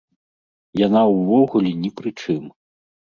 Яна ўвогуле ні пры чым!